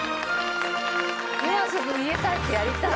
今すぐ家帰ってやりたい。